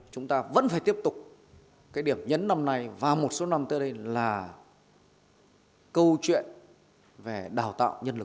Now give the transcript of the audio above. chúng ta vẫn phải tiếp tục cái điểm nhấn năm nay và một số năm tới đây là câu chuyện về đào tạo nhân lực